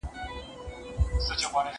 هغه وويل چي لوښي وچول مهم دي!؟